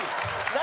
何？